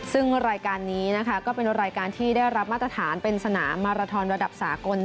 ซึ่งรายการนี้นะคะก็เป็นรายการที่ได้รับมาตรฐานเป็นสนามมาราทอนระดับสากล